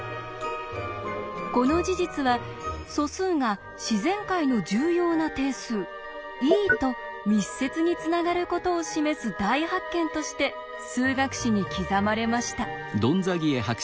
この事実は素数が自然界の重要な定数「ｅ」と密接につながることを示す大発見として数学史に刻まれました。